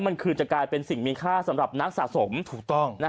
มันคือจะกลายเป็นสิ่งมีค่าสำหรับนักสะสมถูกต้อง